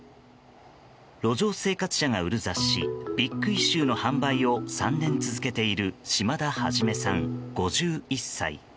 路上生活者が売る雑誌「ビッグイシュー」の販売を３年続けている島田肇さん、５１歳。